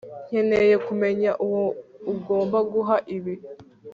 nkeneye kumenya uwo ugomba guha ibi